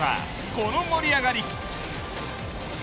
この盛り上がり。